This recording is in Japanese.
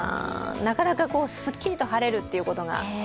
なかなかすっきりと晴れることが。